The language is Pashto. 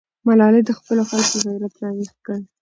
ملالۍ د خپلو خلکو غیرت راویښ کړ.